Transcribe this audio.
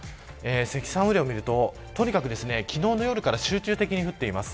積算雨量を見ると、とにかく昨日の夜から集中的に降っています。